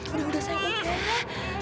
udah sayang udah